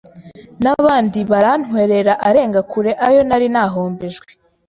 n’abandi barantwerera arenga kure ayo nari nahombejwe.